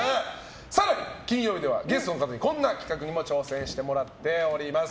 更に、金曜日にはゲストの方にこんな企画にも挑戦してもらっています。